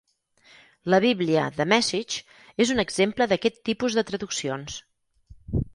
La bíblia The Message és un exemple d'aquest tipus de traduccions.